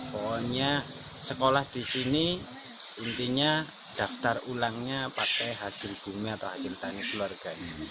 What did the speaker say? pokoknya sekolah di sini intinya daftar ulangnya pakai hasil bumi atau hasil tani keluarganya